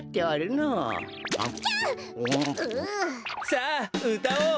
さあうたおう！